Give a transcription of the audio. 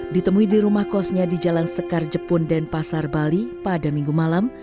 ditemui di rumah kosnya di jalan sekar jepun denpasar bali pada minggu malam